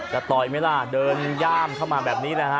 ต่อยไหมล่ะเดินย่ามเข้ามาแบบนี้แหละฮะ